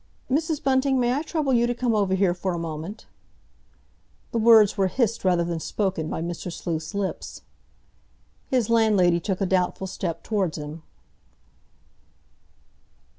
"Mrs. Bunting, may I trouble you to come over here for a moment?" The words were hissed rather than spoken by Mr. Sleuth's lips. His landlady took a doubtful step towards him.